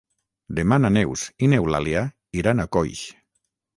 Demà na Neus i n'Eulàlia iran a Coix.